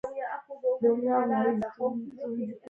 د عملیات نتیجې ته منتظر وو.